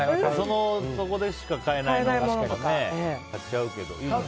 そこでしか買えないものは買っちゃうけど。